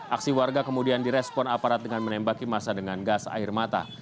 aksi warga kemudian direspon aparat dengan menembaki masa dengan gas air mata